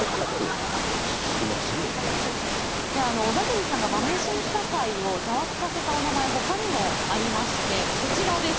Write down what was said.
小田切さんが馬名審査会をザワつかせたおなまえほかにもありましてこちらです。